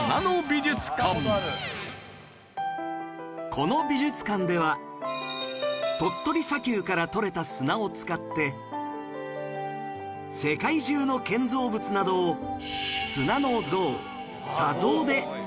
この美術館では鳥取砂丘から取れた砂を使って世界中の建造物などを砂の像砂像で展示しているんです